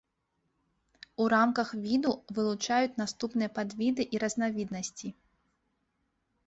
У рамках віду вылучаюць наступныя падвіды і разнавіднасці.